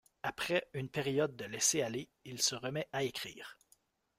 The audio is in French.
Après une période de laisser-aller, il se remet à écrire.